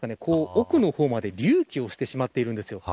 奥の方まで隆起をしてしまっています。